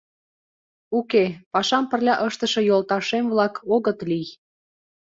— Уке, пашам пырля ыштыше йолташем-влак огыт лий.